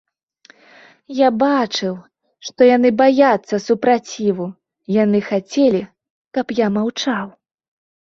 Я бачыў, што яны баяцца супраціву, яны хацелі, каб я маўчаў.